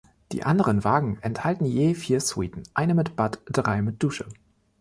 Die anderen Wagen enthalten je vier Suiten; eine mit Bad, drei mit Dusche.